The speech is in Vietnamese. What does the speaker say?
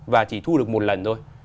và chỉ thu được một lần thôi